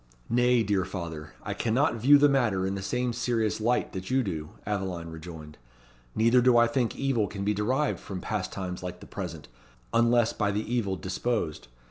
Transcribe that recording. "Nay, dear father, I cannot view the matter in the same serious light that you do," Aveline rejoined, "neither do I think evil can be derived from pastimes like the present, unless by the evil disposed.